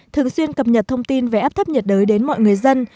thường xuyên cập nhật thông tin về áp thấp nhiệt đới đến mọi người dân